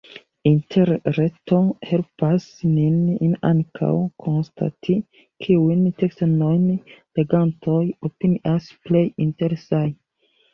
Interreto helpas nin ankaŭ konstati, kiujn tekstojn legantoj opinias plej interesaj.